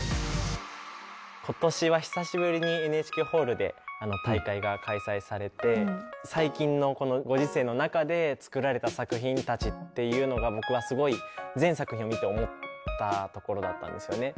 今年は久しぶりにＮＨＫホールで大会が開催されて最近のこのご時世の中で作られた作品たちっていうのが僕はすごい全作品を見て思ったところだったんですよね。